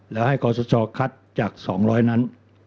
และให้ขศขัดจาก๒๐๐คนนั้น